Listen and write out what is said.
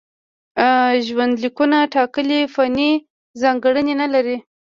ژوندلیکونه ټاکلې فني ځانګړنې نه لري.